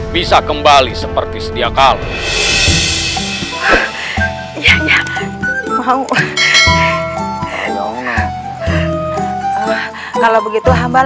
bisa kembali seperti setiap kali